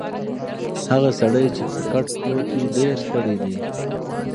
هغه سړی چې پر کټ پروت دی ډېر ستړی دی.